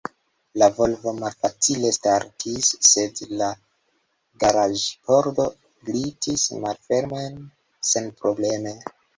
La Volvo malfacile startis, sed la garaĝ-pordo glitis malfermen senprobleme.